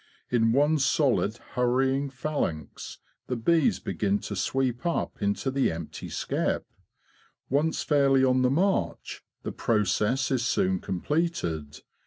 In one solid hurrying phalanx the bees begin to sweep up into the empty skep. Once fairly on the march, the process is soon completed.